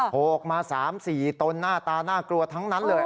โหกมา๓๔ตนหน้าตาน่ากลัวทั้งนั้นเลย